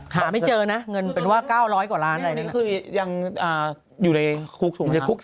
หาไม่เจอนะเงินเป็นว่า๙๐๐กว่าล้านอะไรนี่คือยังอยู่ในคุกในคุก